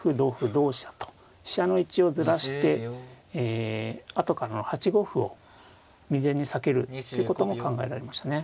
同飛車と飛車の位置をずらしてえあとからの８五歩を未然に避けるっていうことも考えられましたね。